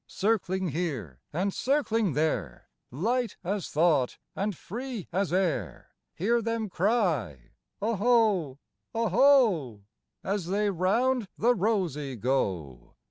Circling here and circling there, Light as thought and free as air, Hear them cry, "Oho, oho,"As they round the rosey go.